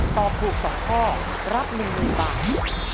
ตอบถูก๒ข้อรับ๑๐๐๐บาท